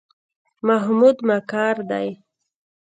محمود مکار دی.